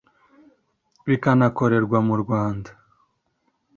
bikanakorerwa mu Rwanda